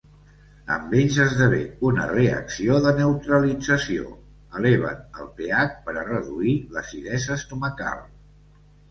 Amb ells esdevé una reacció de neutralització, eleven el pH per a reduir l'acidesa estomacal.